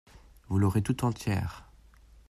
Vous l'aurez tout entière.